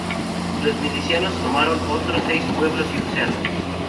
Los milicianos tomaron otros seis pueblos y un cerro.